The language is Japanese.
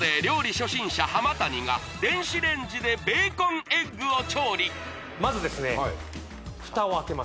初心者浜谷が電子レンジでベーコンエッグを調理まずですね蓋を開けます